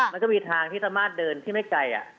มันก็มีทางที่สามารถเดินที่ไม่ไกล